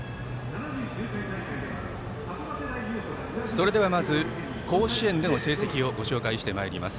それではまず、甲子園での成績をご紹介してまいります。